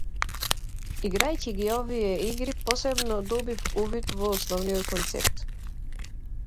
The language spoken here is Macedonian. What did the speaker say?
Играјќи ги овие игри постепено добив увид во основниот концепт.